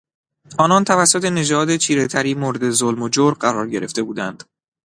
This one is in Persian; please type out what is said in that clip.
آنان توسط نژاد چیرهتری مورد ظلم و جور قرار گرفته بودند.